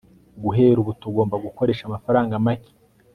guhera ubu, tugomba gukoresha amafaranga make